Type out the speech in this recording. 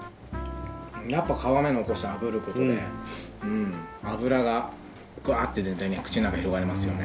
やっぱ皮目残して炙ることで脂がぐわって全体に口の中広がりますよね。